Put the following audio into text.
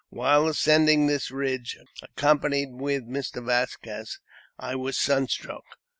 While ascending this ridge, accompanied with Mr. Vasques, I was sun struck.